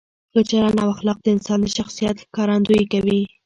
ښه چلند او اخلاق د انسان د شخصیت ښکارندویي کوي.